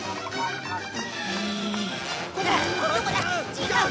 違う！